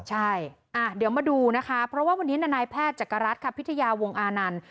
ใช่เดี๋ยวมาดูนะคะเพราะว่าวันนี้นายแพทย์จักรรัฐค่ะพิทยาวงอานันต์